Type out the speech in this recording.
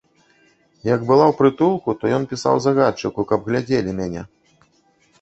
Як была ў прытулку, то ён пісаў загадчыку, каб глядзелі мяне.